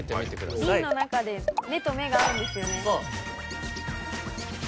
瓶の中で目と目が合うんですよね。